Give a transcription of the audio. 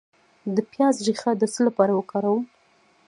د پیاز ریښه د څه لپاره وکاروم؟